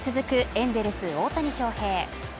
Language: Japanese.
エンゼルス・大谷翔平